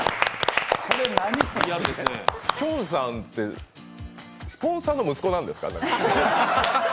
きょんさんってスポンサーの息子なんですか？